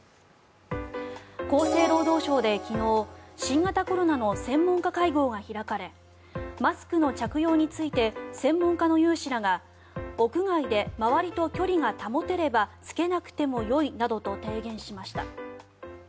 厚生労働省で昨日新型コロナの専門家会合が開かれマスクの着用について専門家の有志らが屋外で周りと距離が保てれば着けなくてもよいなどと提言しました。